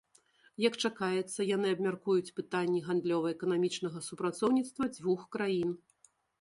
Як чакаецца, яны абмяркуюць пытанні гандлёва-эканамічнага супрацоўніцтва дзвюх краін.